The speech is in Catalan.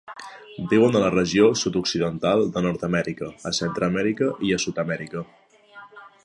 Viuen a la regió sud-occidental de Nord-amèrica, a Centreamèrica i a Sud-amèrica.